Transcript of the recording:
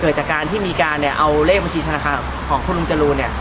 จากการที่มีการเนี่ยเอาเลขบัญชีธนาคารของคุณลุงจรูนเนี่ย